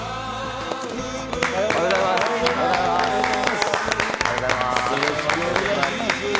おはようございます。